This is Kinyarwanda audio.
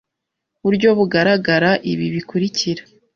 buryo bugaragara ibi bikurikira